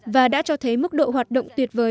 và đã cho thấy mức độ hoạt động tuyệt vời